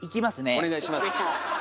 お願いします。